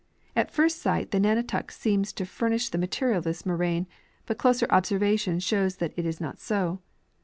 At first sight the nnnatak seems to furnish the material of this moraine, l3Ut closer observation shows that this is not so.